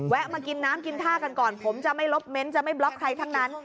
มากินน้ำกินท่ากันก่อนผมจะไม่ลบเม้นต์จะไม่บล็อกใครทั้งนั้น